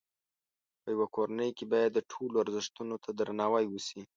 په یوه کورنۍ کې باید د ټولو ازرښتونو ته درناوی وشي.